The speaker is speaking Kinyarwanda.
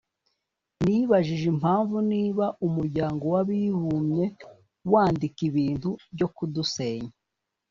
nibajije impamvu niba Umuryango w’Abibumye wandika ibintu byo kudusenya